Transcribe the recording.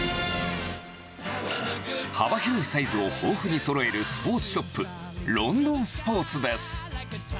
幅広いサイズを豊富にそろえるスポーツショップ、ロンドンスポーツです。